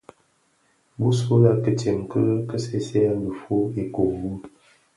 Bisulè kitsen ki seeseeyèn dhifuu ikure wu.